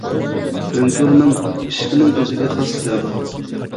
ئۆڭكۈرنىڭ ئىشىكىنىڭ ئۆزىگە خاس سىرى بار ئىدى.